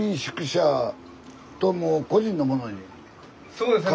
そうですね。